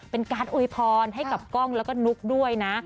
เป็นการอวยพรให้กับกล้องแล้วก็นุ๊กด้วยนะ